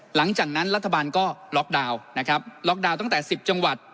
หลังจากนั้นรัฐบาลก็ล็อกดาวน์นะครับล็อกดาวน์ตั้งแต่๑๐จังหวัด